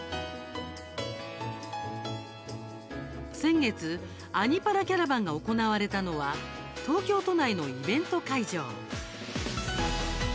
先月「アニ×パラキャラバン」が行われたのは東京都内のイベント会場。